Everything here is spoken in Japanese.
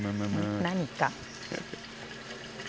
何か。